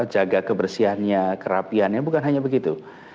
jaga kebersihannya kerapiannya bukan hanya begitu